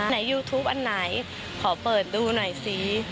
ยูทูปอันไหนขอเปิดดูหน่อยสิ